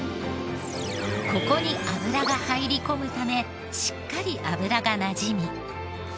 ここに油が入り込むためしっかり油がなじみ。